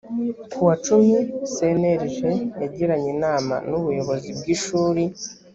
ku wa cumi cnlg yagiranye inama n ubuyobozi bw ishuri